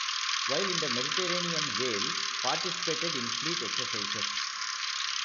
While in the Mediterranean Whale participated in fleet exercises.